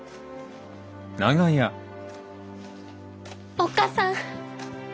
おっ母さん！